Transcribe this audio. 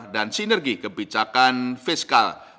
dan sinergi kebijakan fiskal